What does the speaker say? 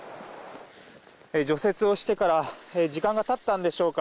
除雪をしてから時間が経ったんでしょうか